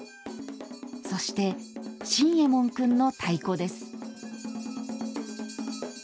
そして、心右衛門君の太鼓です。